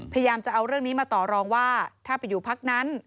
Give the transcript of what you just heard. พยายามจะเอาเรื่องนี้มาต่อรองว่าถ้าไปอยู่พักนั้น